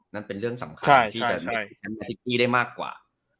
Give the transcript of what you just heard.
นั่นเป็นเรื่องสำคัญที่จะเสียแต้มอันแต่๑๐ปีได้มากกว่า